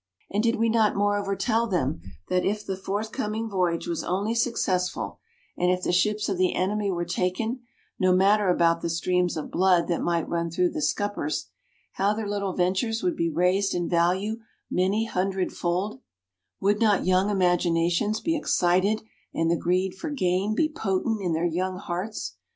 And did we not moreover tell them that if the forthcoming voyage was only successful, and if the ships of the enemy were taken no matter about the streams of blood that might run through the scuppers how their little ventures would be raised in value many hundredfold would not young imaginations be excited and the greed for gain be potent in their young hearts?